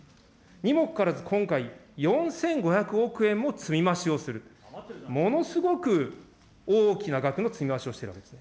にもかかわらず、今回、４５００億円も積み増しをする、ものすごく大きな額の積み増しをしているわけです。